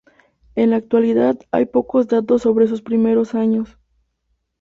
En la actualidad hay pocos datos sobre sus primeros años.